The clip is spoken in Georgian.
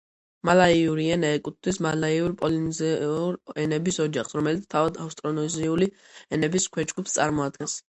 მალაიური ენა ეკუთვნის მალაიურ-პოლინეზიური ენების ოჯახს, რომელიც თავად ავსტრონეზიული ენების ქვეჯგუფს წარმოადგენს.